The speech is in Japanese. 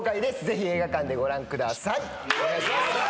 ぜひ映画館でご覧ください。